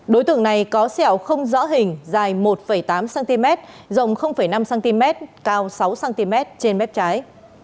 đối tượng này có sẹo không rõ hình dài một tám cm rộng năm cm cao sáu cm trên mép trái